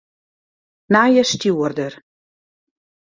Nije stjoerder.